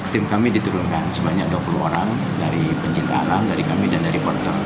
tim kami diturunkan sebanyak dua puluh orang dari pencinta alam dari kami dan dari porter